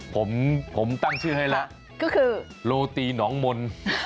ผมตั้งชื่อให้ละก็คือโรติหนองมน